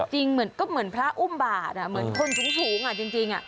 เหมือนก็เหมือนพระอุ้มบาทเหมือนคนสูงจริง